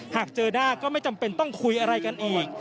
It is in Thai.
หากเจอด้าก็ไม่จำเป็นต้องคุยอะไรกันอีก